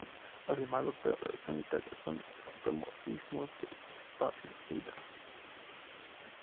Además, los operadores unitarios son automorfismos del espacio de Hilbert i.e.